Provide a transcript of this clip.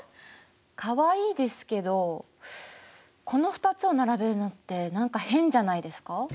かわいいですけどこの２つを並べるのって何か変じゃないですか？